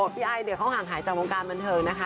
พี่ไอเนี่ยเขาห่างหายจากวงการบันเทิงนะคะ